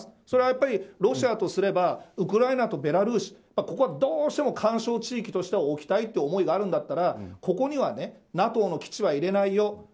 それはロシアとすればウクライナとベラルーシここはどうしても緩衝地域として置きたいという思いがあるんだったらここにはＮＡＴＯの基地は入れないよ